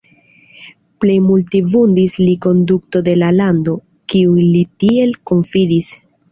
Plej multe vundis lin konduto de la lando, kiun li tiel konfidis.